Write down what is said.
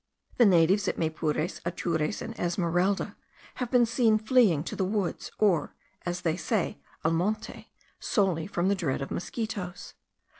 The natives at Maypures, Atures, and Esmeralda, have been seen fleeing to the woods, or, as they say, al monte, solely from the dread of mosquitos.